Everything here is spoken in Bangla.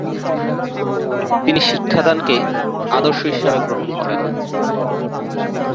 তিনি শিক্ষাদানকে আদর্শ হিসাবে গ্রহণ করেন।